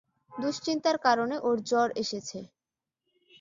দুশ্চিন্তার কারণে ওর জ্বর এসেছে।